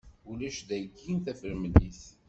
Ulac dayi tafremlit.